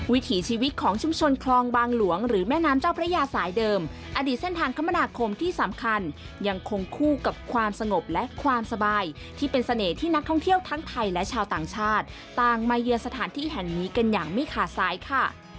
วิถีชีวิตของชุมชนคลองบางหลวงหรือแม่น้ำเจ้าพระยาสายเดิมอดีตเส้นทางคมนาคมที่สำคัญยังคงคู่กับความสงบและความสบายที่เป็นเสน่ห์ที่นักท่องเที่ยวทั้งไทยและชาวต่างชาติต่างมาเยือนสถานที่แห่งนี้กันอย่างไม่ขาดสายค่ะ